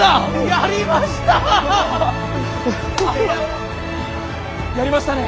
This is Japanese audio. やりましたね。